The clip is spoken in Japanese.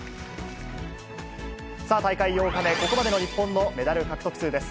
さあ、大会８日目、ここまでの日本のメダル獲得数です。